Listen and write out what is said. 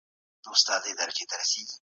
تاسو به له بدو خلګو څخه فاصله ساتئ.